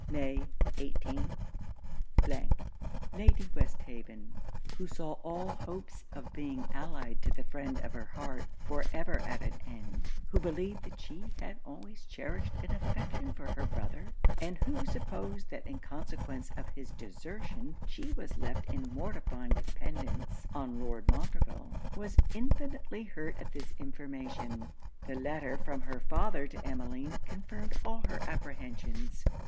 May 18. Lady Westhaven, who saw all hopes of being allied to the friend of her heart for ever at an end who believed that she had always cherished an affection for her brother, and who supposed that in consequence of his desertion she was left in mortifying dependance on Lord Montreville, was infinitely hurt at this information. The letter from her father to Emmeline confirmed all her apprehensions.